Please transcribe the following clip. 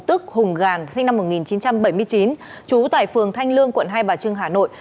tức hùng gàn sinh năm một nghìn chín trăm bảy mươi chín trú tại phường thanh lương quận hai bà trưng hà nội